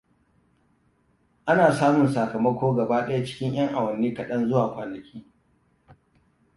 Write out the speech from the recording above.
Ana samun sakamako gaba ɗaya cikin 'yan awanni kaɗan zuwa kwanaki.